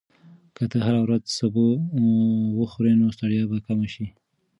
که ته هره ورځ سبو وخورې، نو ستړیا به کمه شي.